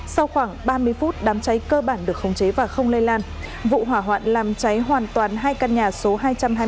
sau khoảng ba mươi phút đám cháy cơ bản được không chế và không lây lan vụ hỏa hoạn làm cháy hoàn toàn hai căn nhà số hai trăm hai mươi chín và hai trăm ba mươi một lê hồng phong